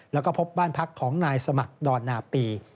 แล้วก็พบบ้านพักของนายสมัครดอนนาปี